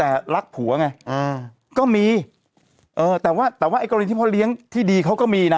แต่รักผัวไงอ่าก็มีเออแต่ว่าแต่ว่าไอ้กรณีที่พ่อเลี้ยงที่ดีเขาก็มีนะ